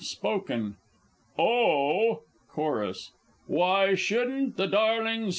Spoken Oh! Chorus Why shouldn't the darlings, &c.